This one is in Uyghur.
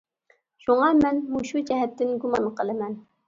شۇڭا، مەن مۇشۇ جەھەتتىن گۇمان قىلىمەن.